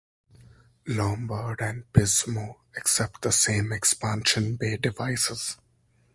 Lombard and Pismo accept the same expansion bay devices.